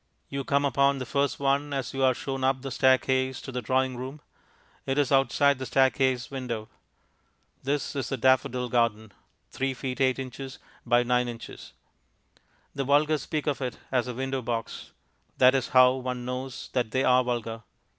You come upon the first one as you are shown up the staircase to the drawing room. It is outside the staircase window. This is the daffodil garden 3 ft. 8 ins. by 9 ins. The vulgar speak of it as a window box; that is how one knows that they are vulgar.